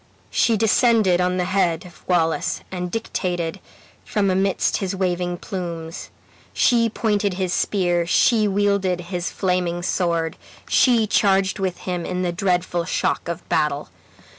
She descended on the head of Wallace, and dictated from amidst his waving plumes. She pointed his spear, she wielded his flaming sword, she charged with him in the dreadful shock of battle.